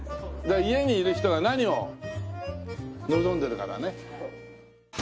家にいる人が何を望んでるかだね。